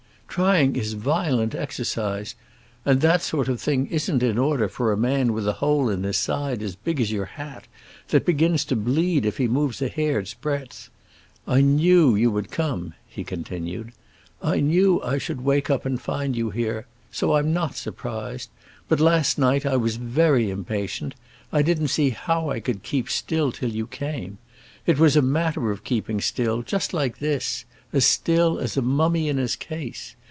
Trying is violent exercise, and that sort of thing isn't in order for a man with a hole in his side as big as your hat, that begins to bleed if he moves a hair's breadth. I knew you would come," he continued; "I knew I should wake up and find you here; so I'm not surprised. But last night I was very impatient. I didn't see how I could keep still until you came. It was a matter of keeping still, just like this; as still as a mummy in his case.